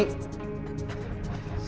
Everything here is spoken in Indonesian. kalau kalian semuanya gak bisa ganti rugi